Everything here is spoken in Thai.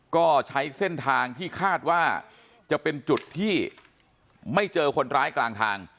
ก็ใช้เส้นทางที่คาดว่าจะเป็นจุดที่ไม่เจอคนร้ายกลางทาง